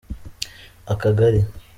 akagari.